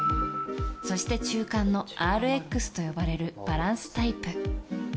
そして中間のＲＸと呼ばれるバランスタイプ。